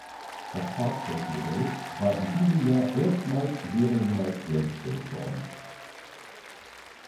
Das Fahrzeugmodell war in diesem Jahr erstmals serienreif hergestellt worden.